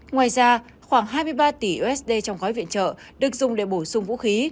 ngoài ra khoảng hai mươi ba tỷ usd trong gói viện trợ được dùng để bổ sung vũ khí